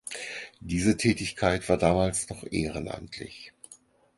Diese Tätigkeit war damals noch ehrenamtlich.